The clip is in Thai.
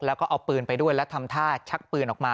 แล้วก็เอาปืนไปด้วยแล้วทำท่าชักปืนออกมา